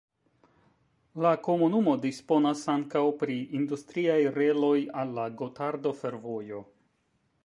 La komunumo disponas ankaŭ pri industriaj reloj al la Gotardo-Fervojo.